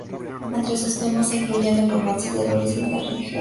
Entre sus temas se incluían el romance, el heroísmo y la religión.